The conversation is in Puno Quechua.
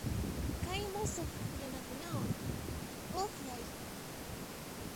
Kay musuq pukllanakunawan pukllay.